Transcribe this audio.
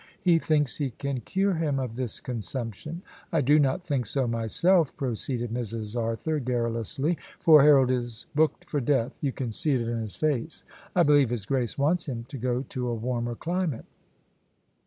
He thinks he can cure him of this consumption. I do not think so myself" proceeded Mrs. Arthur, garrulously, "for Harold is booked for death. You can see it in his face. I believe his Grace wants him to go to a warmer climate."